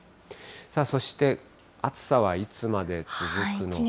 そして暑さはいつまで続くのか。